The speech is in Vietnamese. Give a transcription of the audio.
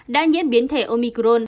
đã nhiễm biến thể omicron